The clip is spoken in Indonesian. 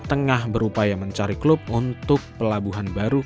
tengah berupaya mencari klub untuk pelabuhan baru